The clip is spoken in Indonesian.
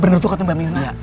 bener tuh katanya mbak mirna